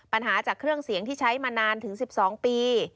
ปัญหาจากเครื่องเสียงที่ใช้มานานถึง๑๒ปี